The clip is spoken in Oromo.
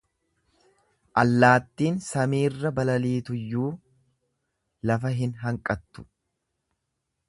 Allaattiin samiirra balaliituyyuu lafa hin hanqattu.